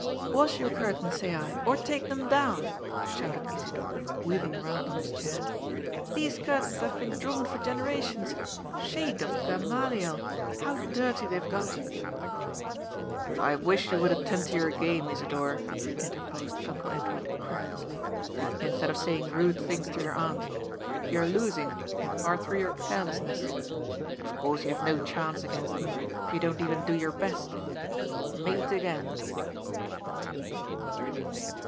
"Wash your curtains, say I, or take them down!" ELIAS'S EYES OPEN UPON THE WORLD. 255 shouted Isidor, wheeling round on his chair. These cur tains that have been drawn for generations — shade of Ga maliel !— how dirty they haye got" " I wish you would attend to your game, Isidor," inter posed Uncle Edward querulously, ^^ instead of saying rude things to your aunt You are losing, in part through your carelessness. Of course you have no chance against me, if you don't even do your best Mate again."